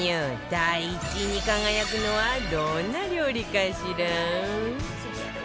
第１位に輝くのはどんな料理かしら？